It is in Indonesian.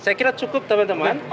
saya kira cukup teman teman